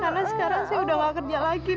karena sekarang saya udah gak kerja lagi mas